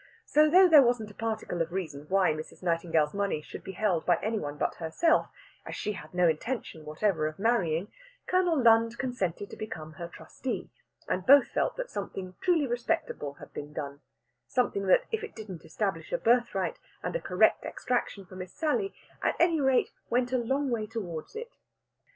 So though there wasn't a particle of reason why Mrs. Nightingale's money should be held by any one but herself, as she had no intention whatever of marrying, Colonel Lund consented to become her trustee; and both felt that something truly respectable had been done something that if it didn't establish a birthright and a correct extraction for Miss Sally, at any rate went a long way towards it.